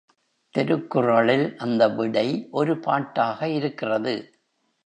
திருக்குறளில் அந்த விடை ஒரு பாட்டாக இருக்கிறது.